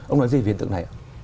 ông nói gì về hiện tượng này